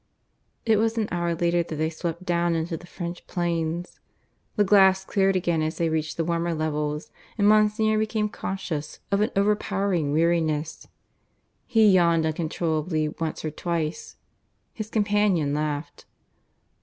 It was an hour later that they swept down into the French plains. The glass cleared again as they reached the warmer levels, and Monsignor became conscious of an overpowering weariness. He yawned uncontrollably once or twice. His companion laughed.